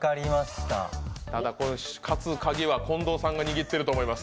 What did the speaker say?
ただ、勝つカギは近藤さんが握ってると思います。